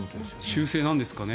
習性なんですかね。